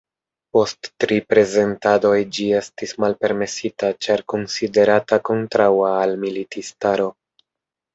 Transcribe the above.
Post tri prezentadoj ĝi estis malpermesita ĉar konsiderata kontraŭa al militistaro.